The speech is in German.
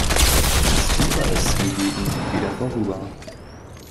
Das Fieber ist hingegen wieder vorüber.